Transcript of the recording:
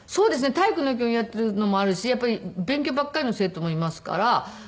体育の時にやっているのもあるしやっぱり勉強ばっかりの生徒もいますから。